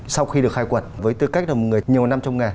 sau khi được khai quật với tư cách là một người nhiều năm trong nghề